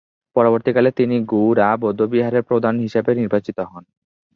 পরবর্তীকালে তিনি গু-রা বৌদ্ধবিহারের প্রধান হিসেবে নির্বাচিত হন।